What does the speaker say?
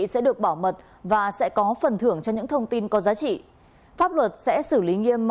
xin chào các bạn